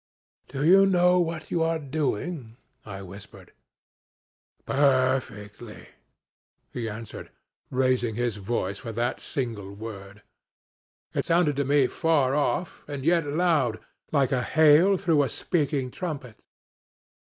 'Do you know what you are doing?' I whispered. 'Perfectly,' he answered, raising his voice for that single word: it sounded to me far off and yet loud, like a hail through a speaking trumpet.